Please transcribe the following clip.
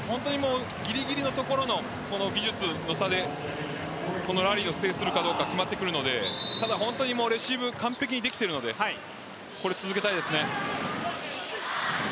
ぎりぎりのところの技術の差でこのラリーを制するかどうかが決まってくるのでただ、本当にレシーブ完璧にできているのでこれ続けたいですね。